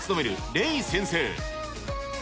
レイ先生。